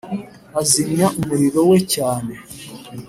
azimya umuriro we cyane;